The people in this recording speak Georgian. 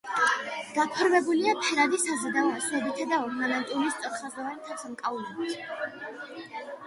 გაფორმებულია ფერადი საზედაო ასოებითა და ორნამენტული, სწორხაზოვანი თავსამკაულებით.